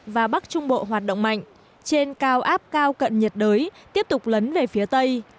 và bắc trung bộ hoạt động mạnh trên cao áp cao cận nhiệt đới tiếp tục lấn về phía tây